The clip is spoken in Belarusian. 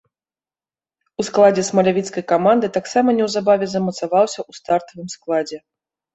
У складзе смалявіцкай каманды таксама неўзабаве замацаваўся ў стартавым складзе.